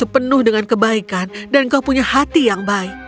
penuh dengan kebaikan dan kau punya hati yang baik